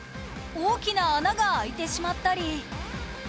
大きな穴が開いてしまったり